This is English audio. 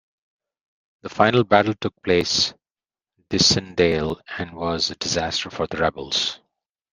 The final battle took place at "Dussindale", and was a disaster for the rebels.